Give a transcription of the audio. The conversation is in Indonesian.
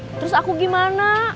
terus aku gimana